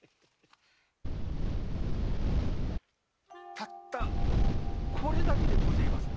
たったこれだけでごぜぇますか？